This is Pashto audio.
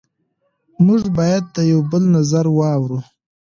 موږ باید د یو بل نظر واورو.